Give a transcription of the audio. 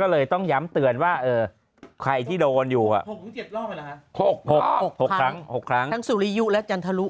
ก็เลยต้องย้ำเตือนว่าใครที่โดนอยู่๖๖ครั้ง๖ครั้งทั้งสุริยุและจันทรุ